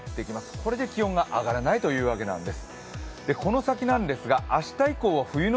これで気温が上がらないというわけなんです。